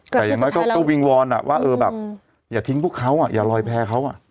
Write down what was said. แต่อย่างน้อยก็วิงวอนว่าเออแบบอย่าทิ้งพวกเขาอย่าลอยแพ้เขา